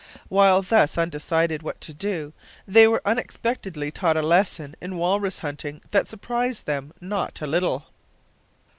While thus undecided what to do, they were unexpectedly taught a lesson in walrus hunting that surprised them not a little.